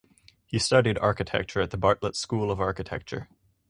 He studied architecture at the Bartlett School of Architecture.